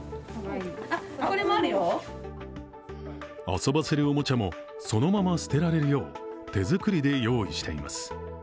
遊ばせるおもちゃも、そのまま捨てられるよう手作りで用意しています。